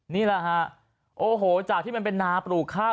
นี่แหละฮะโอ้โหจากที่มันเป็นนาปลูกข้าว